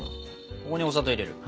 ここにお砂糖入れる。